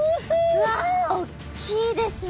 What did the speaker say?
うわ大きいですね。